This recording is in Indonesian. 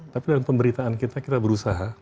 tapi dalam pemberitaan kita kita berusaha